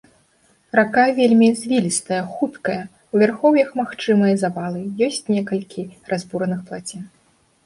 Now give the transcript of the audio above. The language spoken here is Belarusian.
Рака вельмі звілістая, хуткая, у вярхоўях магчымыя завалы, ёсць некалькі разбураных плацін.